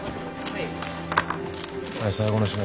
はい。